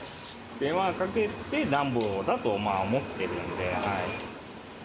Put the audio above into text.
手間かけてなんぼだと思ってるんで。